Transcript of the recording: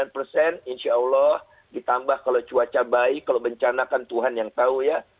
sembilan puluh persen insya allah ditambah kalau cuaca baik kalau bencana kan tuhan yang tahu ya